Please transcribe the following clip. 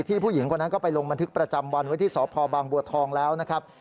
ผู้หญิงคนนั้นก็ไปลงบันทึกประจำวันไว้ที่สพบางบัวทองแล้วนะครับ